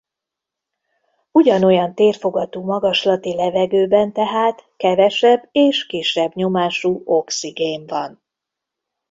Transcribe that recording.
Ugyanolyan térfogatú magaslati levegőben tehát kevesebb és kisebb nyomású oxigén van.